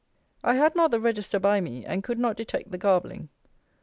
I had not the Register by me, and could not detect the garbling.